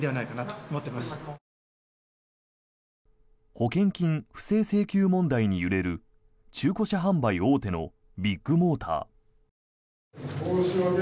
保険金不正請求問題に揺れる中古車販売大手のビッグモーター。